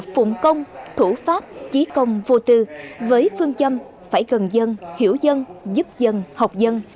phụng công thủ pháp trí công vô tư với phương châm phải gần dân hiểu dân giúp dân học dân